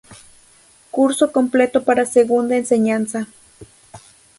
Curso completo para segunda enseñanza.